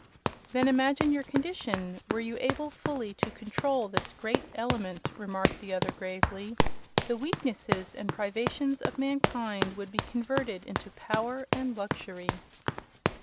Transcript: "Then imagine your condition were you able fully to control this great element," replied the other, gravely. "The weaknesses and privations of mankind would be converted into power and luxury."